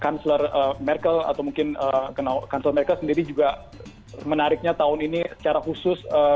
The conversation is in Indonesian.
kanseller merkel atau mungkin cancel merkel sendiri juga menariknya tahun ini secara khusus